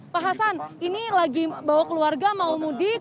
pak hasan ini lagi bawa keluarga mau mudik